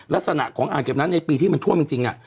ลักษณะของอ่างเก็บน้ำในปีที่มันท่วมจริง